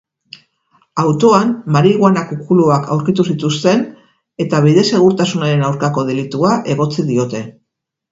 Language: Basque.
Autoan marihuana kukuluak aurkitu zituzten eta bide-segurtasunaren aurkako delitua egotzi diote.